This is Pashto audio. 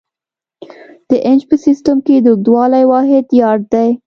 د انچ په سیسټم کې د اوږدوالي واحد یارډ دی.